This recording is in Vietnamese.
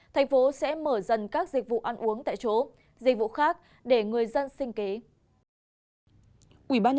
thành phố sẽ mở dần các dịch vụ ăn uống tại chỗ dịch vụ khác để người dân sinh kế